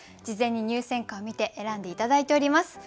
事前に入選歌を見て選んで頂いております。